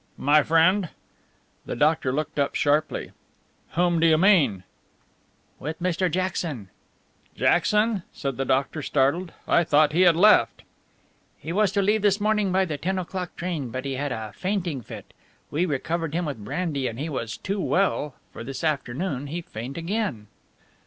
"My friend?" The doctor looked up sharply. "Whom do you mean?" "With Mr. Jackson." "Jackson," said the doctor, startled. "I thought he had left." "He was to leave this morning by the ten o'clock train, but he had a fainting fit. We recovered him with brandy and he was too well, for this afternoon he faint again."